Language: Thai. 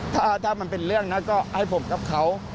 ถ้ามันเป็นเรื่องนั้นก็ให้ผมกับเขา